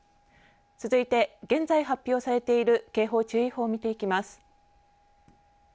続いて現在発表されている警報、注意報を見ていきます。